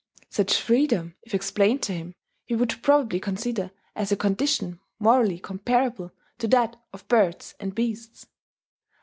Such freedom, if explained to him, he would probably consider as a condition morally comparable to that of birds and beasts.